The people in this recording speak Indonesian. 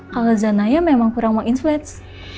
kalau zanaya memang kurang mau inflates